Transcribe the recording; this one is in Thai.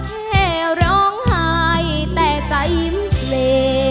แค่ร้องหายแต่จะยิ้มเล่